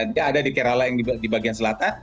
dia ada di kerala yang di bagian selatan